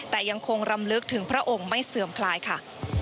แต่ยังคงรำลึกถึงพระองค์ไม่เสื่อมคลายค่ะ